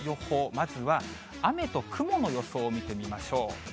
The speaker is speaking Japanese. まずは、雨と雲の予想を見てみましょう。